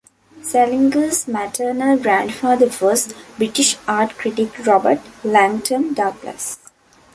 Salinger's maternal grandfather was British art critic Robert Langton Douglas.